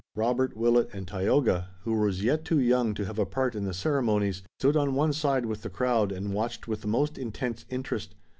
Robert, Willet, and Tayoga, who was yet too young to have a part in the ceremonies, stood on one side with the crowd and watched with the most intense interest.